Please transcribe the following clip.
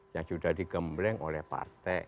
yang sudah digembleng oleh partai